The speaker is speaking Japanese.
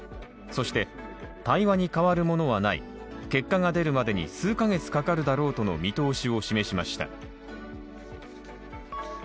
そして、対話に代わるものはない結果が出るまでに数カ月かかるだろうとの見通しを示しました。